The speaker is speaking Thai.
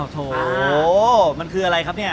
โถมันคืออะไรครับเนี่ย